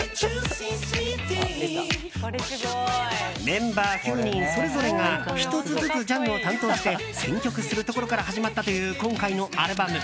メンバー９人それぞれが１つずつジャンルを担当して選曲するところから始まったという今回のアルバム。